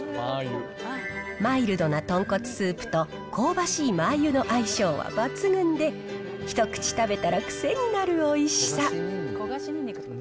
マイルドな豚骨スープと、香ばしいマー油の相性は抜群で、一口食べたら癖になるおいしさ。